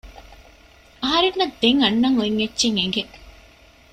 އަހަރެންނަށް ދެން އަންނަން އޮތް އެއްޗެއް އެނގެ